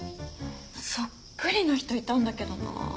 そっくりな人いたんだけどな。